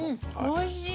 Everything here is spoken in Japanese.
おいしい。